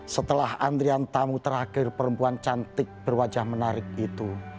setelah antrian tamu terakhir perempuan cantik berwajah menarik itu